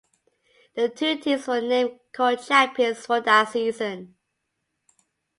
The two teams were named co-champions for that season.